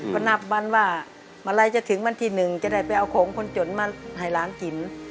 ก็นับวันว่าเมื่อไหร่จะถึงวันที่๑จะได้ไปเอาของคนจนมาให้หลานกิน